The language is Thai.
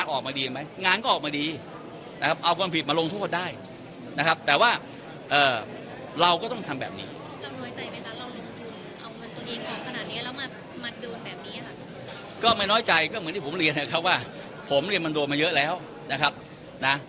เราน้อยใจเมื่อเราลงทุนเอาเงินตัวเองออกขนาดนี้แล้วมามาดูนแบบนี้อะครับก็ไม่น้อยใจก็เหมือนที่ผมเรียนนะครับว่าผมเรียนมันโดนมาเยอะแล้วนะครับนะ